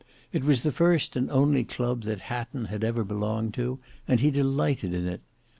It was the first and only club that Hatton had ever belonged to, and he delighted in it.